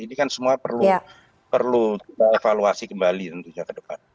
ini kan semua perlu evaluasi kembali tentunya ke depan